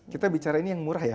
kita bicara ini yang murah ya